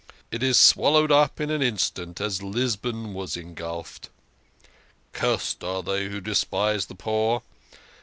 " It is swal lowed up in an instant, as Lisbon was engulfed. Cursed are they who despise the poor.